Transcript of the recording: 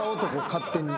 勝手に。